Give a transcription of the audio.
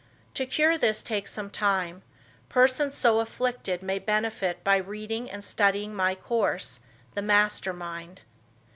To cure this takes some time. Persons so afflicted may benefit by reading and studying my course, "The Master Mind."